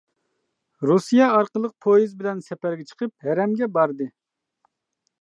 رۇسىيە ئارقىلىق پويىز بىلەن سەپەرگە چىقىپ ھەرەمگە باردى.